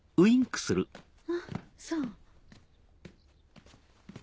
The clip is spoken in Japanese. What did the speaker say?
あっそう。